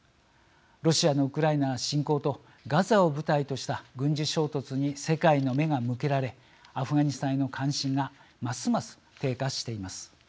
ロシアのウクライナ侵攻とガザを舞台とした軍事衝突に世界の目が向けられアフガニスタンへの関心がますます低下しています。